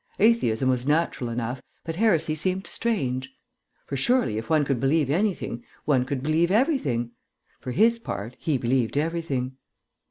Atheism was natural enough, but heresy seemed strange. For, surely, if one could believe anything, one could believe everything. For his part, he believed everything....